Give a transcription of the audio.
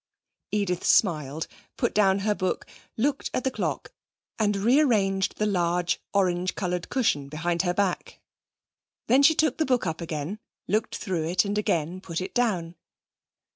Edith smiled, put down her book, looked at the clock and rearranged the large orange coloured cushion behind her back. Then she took the book up again, looked through it and again put it down.